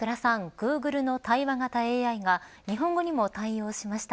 グーグルの対話型ＡＩが日本語にも対応しました。